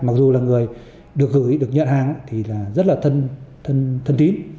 mặc dù là người được gửi được nhận hàng thì là rất là thân tín